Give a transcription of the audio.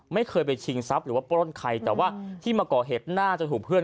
ไม่เคยไปชิงทรัพย์หรือว่าปล้นใครแต่ว่าที่มาก่อเหตุน่าจะถูกเพื่อน